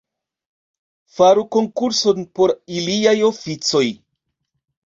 Faru konkurson por iliaj oficoj.